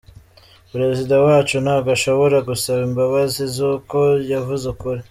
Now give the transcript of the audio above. Perezida wacu ntabwo ashobora gusaba imbabazi z’uko yavuze ukuri!”